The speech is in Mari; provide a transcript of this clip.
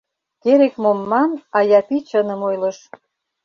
Керек-мом ман, а Япи чыным ойлыш...